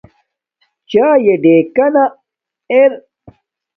چاݵے ڑکنانا ار